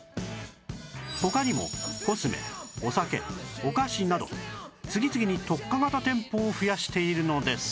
他にもコスメお酒お菓子など次々に特化型店舗を増やしているのです